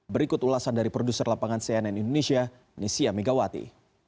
berikut ulasan dari produser lapangan cnn indonesia nesia megawati